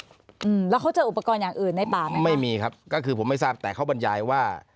อืมแล้วเขาเจออุปกรณ์อย่างอื่นในป่าไหมไม่มีครับก็คือผมไม่ทราบแต่เขาบรรยายว่า